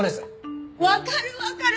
わかるわかる！